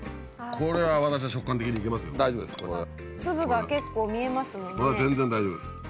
これは全然大丈夫です。